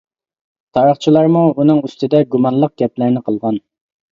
تارىخچىلارمۇ ئۇنىڭ ئۈستىدە گۇمانلىق گەپلەرنى قىلغان.